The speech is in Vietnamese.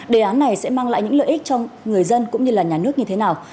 đề án này sẽ mang lại những lợi ích cho người dân cũng như là nhà nước như thế nào